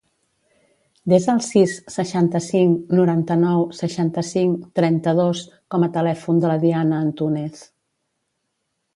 Desa el sis, seixanta-cinc, noranta-nou, seixanta-cinc, trenta-dos com a telèfon de la Diana Antunez.